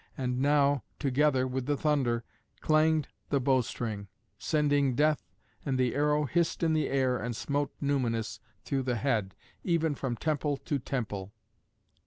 And now, together with the thunder, clanged the bow string, sending death, and the arrow hissed in the air and smote Numanus through the head, even from temple to temple.